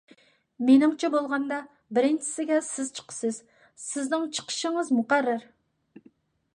مېنىڭچە بولغاندا، بىرىنچىسىگە سىز چىقىسىز، سىزنىڭ چىقىشىڭىز مۇقەررەر.